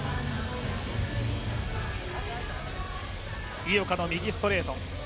井岡の右ストレート